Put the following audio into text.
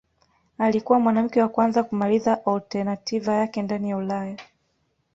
Alikuwa mwanamke wa kwanza kumaliza alternativa yake ndani ya Ulaya.